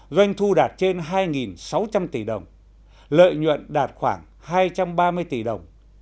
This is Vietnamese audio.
doanh thu đạt trên hai sáu trăm linh tỷ đồng lợi nhuận đạt khoảng hai trăm ba mươi tỷ đồng